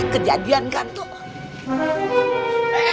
kejadian kan tuh